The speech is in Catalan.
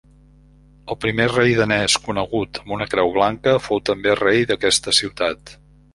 El primer rei danès conegut amb una creu blanca fou també rei d'aquesta ciutat.